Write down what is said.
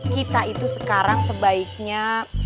kita itu sekarang sebaiknya